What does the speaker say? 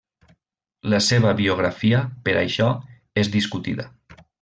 La seva biografia, per això, és discutida.